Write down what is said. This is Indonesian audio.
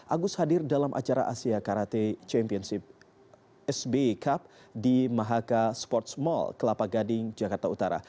agus hadir dalam acara asia karate championship sby cup di mahaka sports mall kelapa gading jakarta utara